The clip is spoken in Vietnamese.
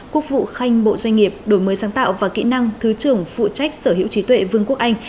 quốc vụ khanh bộ doanh nghiệp đổi mới sáng tạo và kỹ năng thứ trưởng phụ trách sở hữu trí tuệ vương quốc anh